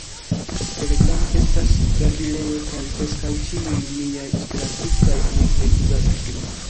Telegram estas babilejo, kaj preskaŭ ĉiuj miaj Esperantistaj amikoj uzas ĝin.